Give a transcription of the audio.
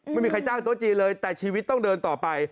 ไม่มีใครจ้างโต๊ะจีนเลยแต่ชีวิตต้องเดินต่อไป